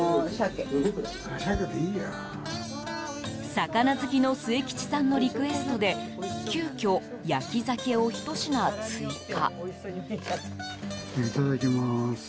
魚好きの末吉さんのリクエストで急きょ、焼き鮭を、ひと品追加。